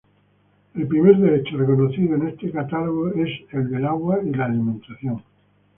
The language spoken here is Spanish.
El primer derecho reconocido en este catálogo es el de agua y alimentación.